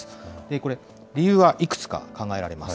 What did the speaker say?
これ、理由はいくつか考えられます。